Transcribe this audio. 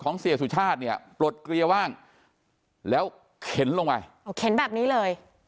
เสียสุชาติเนี่ยปลดเกลียว่างแล้วเข็นลงไปอ๋อเข็นแบบนี้เลย